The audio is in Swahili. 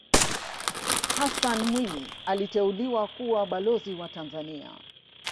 hassan mwinyi aliteuliwa kuwa balozi wa tanzania